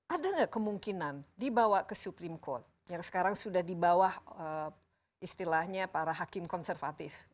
ada nggak kemungkinan dibawa ke supreme court yang sekarang sudah dibawah istilahnya para hakim konservatif